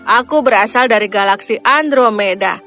aku berasal dari galaksi andromeda